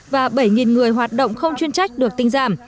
và bảy người hoạt động không chuyên trách được tinh giảm